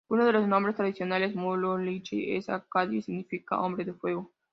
Uno de los nombres tradicionales, Mulu-Lizi, es acadio y significa "Hombre de Fuego".